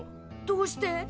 どうして？